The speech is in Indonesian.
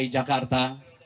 di dki jakarta